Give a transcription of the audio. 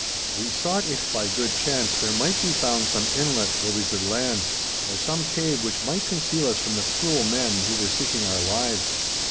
We sought if by good chance there might be found some inlet where we could land, or some cave which might conceal us from the cruel men who were seeking our lives.